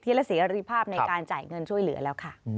และเสรีภาพในการจ่ายเงินช่วยเหลือแล้วค่ะ